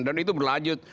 dan itu berlanjut